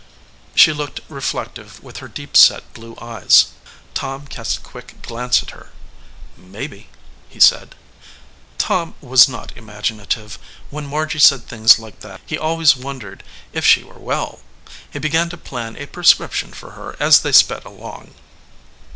She looked reflective with her deep set blue eyes. Tom cast a quick glance at her. "Maybe," he said. Tom was not imaginative. When Margy said things like that he always wondered if she were well. He began to plan a prescription for her as they sped along.